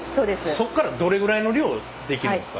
そっからどれぐらいの量出来るんですか？